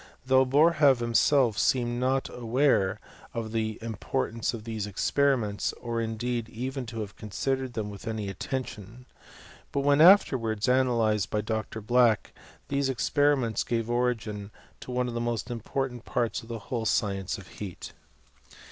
Though Boerhaave himself seemed not aware of the importance of these experiments, or in deed even to have considered them with any attention. But when afterwards analyzed by Dr. Black, these experiments gave origin to one of the most important parts of the whole science of heat.